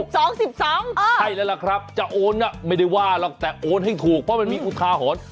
ใช่แล้วล่ะครับจะโอนไม่ได้ว่าหรอกแต่โอนให้ถูกเพราะมันมีอุทาหรณ์